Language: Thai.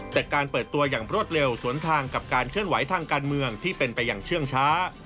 แต่การเปิดตัวอย่างรวดเร็วสวนทางกับการเคลื่อนไหวทางการเมืองที่เป็นไปอย่างเชื่องช้า